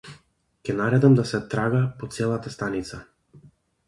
Ќе наредам да се трага по целата станица.